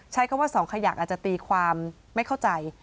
ใช้คำว่าสองขยักอาจจะตีความไม่เข้าใจ